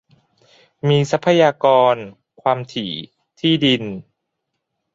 มีทรัพยากร ความถี่ ที่ดิน